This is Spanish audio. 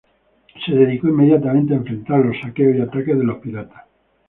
Se dedicó inmediatamente a enfrentar los saqueos y ataques de los piratas.